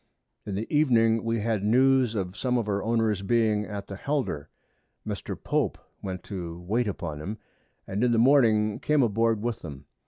In the Evening we had News of some of our Owners being at the Helder: Mr. Pope went to wait upon 'em, and in the Morning came aboard with them.